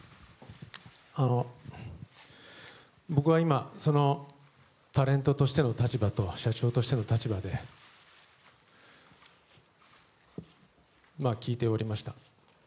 僕は今タレントとしての立場と社長としての立場で聞いておりました。